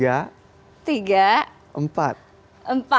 jadi kita lihat gitu ya